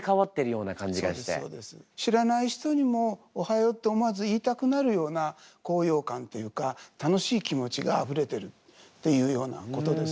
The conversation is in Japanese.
少し知らない人にも「おはよう」って思わず言いたくなるような高揚感っていうか楽しい気持ちがあふれてるっていうようなことです。